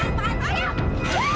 aduh teteh ampun